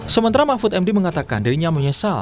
sementara mahfud md mengatakan dirinya menyesal